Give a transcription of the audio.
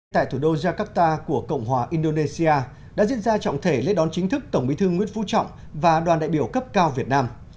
tại thủ đô jakarta của cộng hòa indonesia đã diễn ra trọng thể lễ đón chính thức tổng bí thư nguyễn phú trọng và đoàn đại biểu cấp cao việt nam